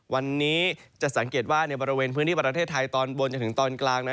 วันนี้จะสังเกตว่าในบริเวณพื้นที่ประเทศไทยตอนบนจนถึงตอนกลางนั้น